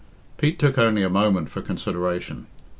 Pete took only a moment for consideration.